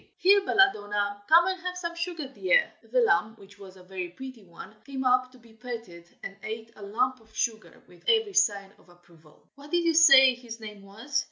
here, Belladonna, come and have some sugar, dear!" The lamb, which was a very pretty one, came up to be petted, and ate a lump of sugar with every sign of approval. "What did you say his name was?"